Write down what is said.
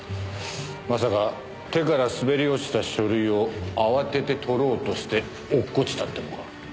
まさか手から滑り落ちた書類を慌てて取ろうとして落っこちたってのか？